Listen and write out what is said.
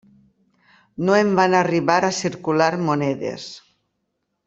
No en van arribar a circular monedes.